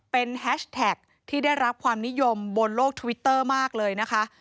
เป็นแฮชแท็กที่ได้รับความนิยมบนโลกทวิตเตอร์มากเลยนะคะ